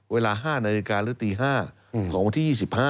เวลา๕นาฬิกาหรือตี๕ของวันที่๒๕